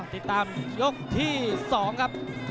ติดตามยังน้อยกว่า